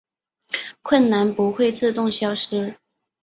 困难不会自动消失